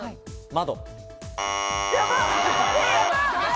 窓。